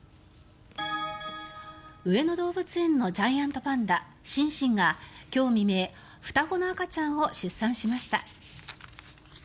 上野動物園のジャイアントパンダシンシンが今日未明双子の赤ちゃんを出産しました。